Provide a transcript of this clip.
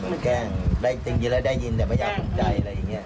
ได้จริงจริงแล้วได้ยินแต่ไม่อยากฝึกใจอะไรอย่างเงี้ย